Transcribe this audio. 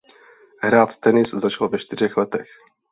Hrát tenis začal ve čtyřech letech.